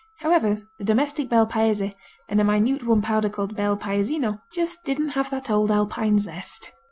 However, the domestic Bel Paese and a minute one pounder called Bel Paesino just didn't have that old Alpine zest.